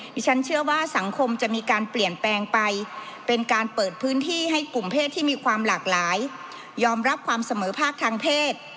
ดิฉันเชื่อว่าสังคมจะมีการเปลี่ยนแปลงไปเป็นการเปิดพื้นที่ให้กลุ่มเพศที่มีความหลากหลายยอมรับความเสมอภาคทางเพศ